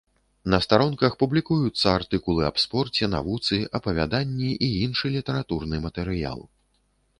На старонках публікуюцца артыкулы аб спорце, навуцы, апавяданні і іншы літаратурны матэрыял.